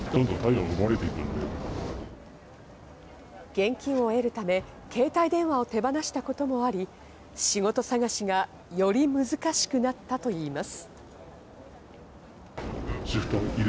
現金を得るため、携帯電話を手放したこともあり、仕事探しが、より難しくなったといいます。